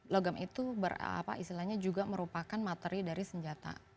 logam itu istilahnya juga merupakan materi dari senjata